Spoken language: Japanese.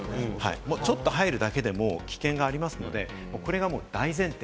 ちょっと入るだけでも危険がありますので、これがもう大前提。